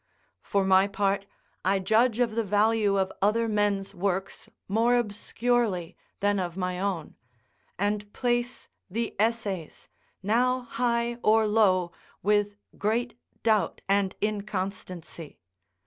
For my part, I judge of the value of other men's works more obscurely than of my own; and place the Essays, now high, or low, with great doubt and inconstancy.